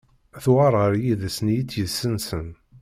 Tuɣal ɣer yiḍes-nni i tt-yessensen.